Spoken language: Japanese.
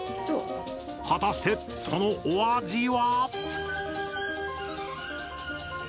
果たしてそのお味は？